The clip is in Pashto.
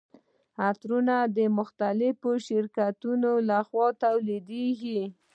عطرونه د مختلفو شرکتونو لخوا تولیدیږي.